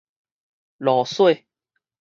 蘆黍